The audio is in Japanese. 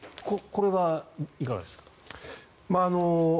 これはいかがですか？